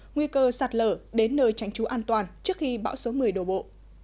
nguy cơ sạt lở đến nơi tránh trú an toàn trước khi bão số một mươi đổ bộ